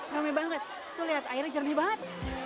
rame banget tuh lihat airnya jernih banget